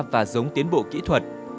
và giống tiến bộ kỹ thuật